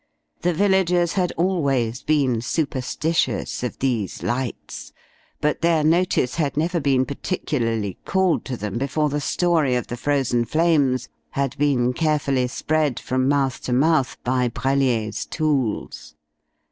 The villagers had always been superstitious of these lights, but their notice had never been particularly called to them before the story of the Frozen Flames had been carefully spread from mouth to mouth by Brellier's tools.